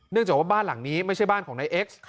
จากว่าบ้านหลังนี้ไม่ใช่บ้านของนายเอ็กซ์